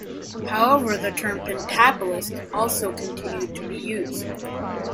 However, the term "Pentapolis" also continued to be used.